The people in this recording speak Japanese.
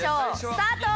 スタート！